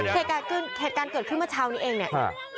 เหตุการณ์เกิดขึ้นเมื่อเช้านี้เองเนี่ย